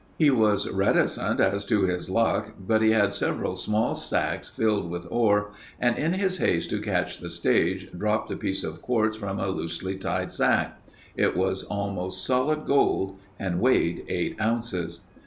He was reticent as to his luck but he had several small sacks filled with ore and in his haste to catch the stage, dropped a piece of quartz from a loosely tied sack. It was almost solid gold and weighed eight ounces.